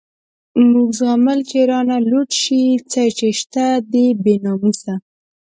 موږ زغمل چی رانه لوټ شی، څه چی شته دی بی ناموسه